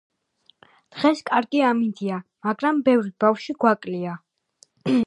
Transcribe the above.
დღეს კარგი ამინდია . მაგრამ ბევრი ბავშვი გვაკლია